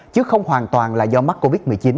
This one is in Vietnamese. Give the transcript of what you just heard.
chứ không hoàn toàn là do mắc covid một mươi chín